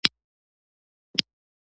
د نظریې په برخه کې داسې څه نه دي ویلي.